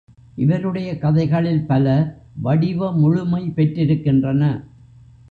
இவருடைய கதைகளில் பல, வடிவ முழுமை பெற்றிருக்கின்றன.